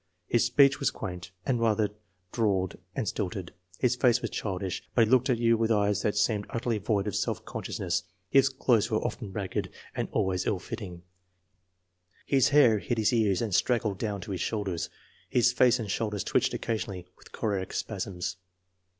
His speech was quaint, and rather drawled and stilted; his face was childish, but he looked at you with eyes that seemed utterly void of self consciousness; his clothes were FORTY ONE SUPERIOR CHILDREN 249 often ragged and always ill fitting; his hair hid his ears and straggled down to his shoulders; his face and shoulders twitched occasionally with choreic spasms.